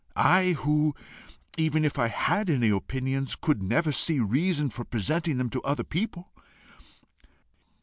I who, even if I had any opinions, could never see reason for presenting them to other people!